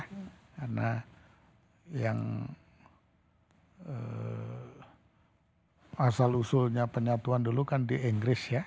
karena yang asal usulnya penyatuan dulu kan di inggris ya